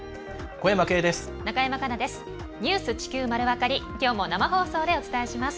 小山径です。